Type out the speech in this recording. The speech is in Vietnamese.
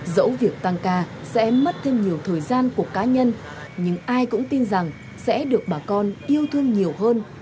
dẫu việc tăng ca sẽ mất thêm nhiều thời gian của cá nhân nhưng ai cũng tin rằng sẽ được bà con yêu thương nhiều hơn